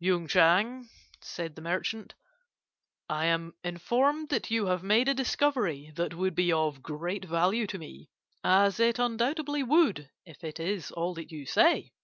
"'Yung Chang,' said the merchant, 'I am informed that you have made a discovery that would be of great value to me, as it undoubtedly would if it is all that you say.